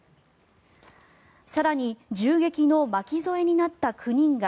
更に、銃撃の巻き添えになった９人が